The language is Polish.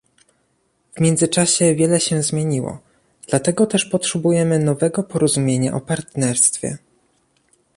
W międzyczasie wiele się zmieniło, dlatego też potrzebujemy nowego porozumienia o partnerstwie